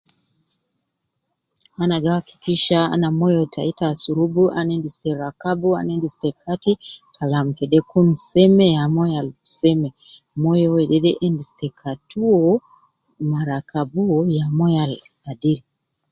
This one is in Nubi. Ana gi akikisha, ana moyo tayi ta asurubu, ana endis ta rakabu, ana endis ta kati, kalam kede kun seme. Ya moyo al seme, moyo de endis ta katiwo ma rakabu uwo ya moyo al adil.